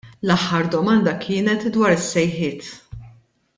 L-aħħar domanda kienet dwar is-sejħiet.